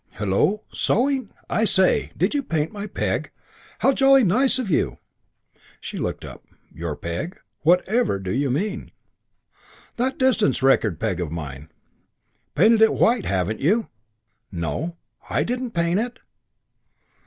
"Hullo, sewing? I say, did you paint my peg? How jolly nice of you!" She looked up. "Your peg? Whatever do you mean?" "That record distance peg of mine. Painted it white, haven't you?" "No, I didn't paint it!"